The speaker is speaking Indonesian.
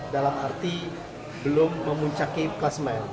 dalam arti belum memuncaki kelas main